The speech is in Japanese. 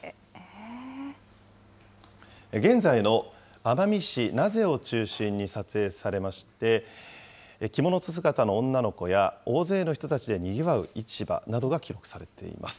現在の奄美市名瀬を中心に撮影されまして、着物姿の女の子や、大勢の人たちでにぎわう市場などが記録されています。